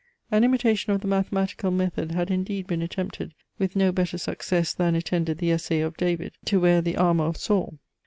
An imitation of the mathematical method had indeed been attempted with no better success than attended the essay of David to wear the armour of Saul.